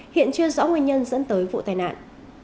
hiện chưa rõ nguyên nhân dẫn tới vụ tai nạn